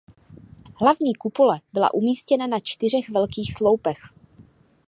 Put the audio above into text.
Hlavní kupole byla umístěna na čtyřech velkých sloupech.